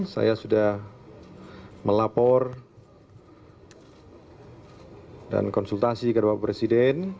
saya sudah melapor dan konsultasi ke bapak presiden